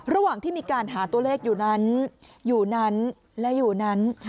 ระหว่างที่มีการหาตัวเลขอยู่นั้นอยู่นั้นและอยู่นั้น